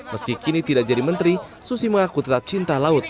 meski kini tidak jadi menteri susi mengaku tetap cinta laut